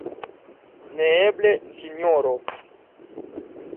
Neeble, Sinjoro!